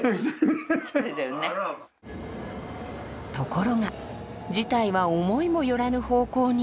ところが事態は思いもよらぬ方向に。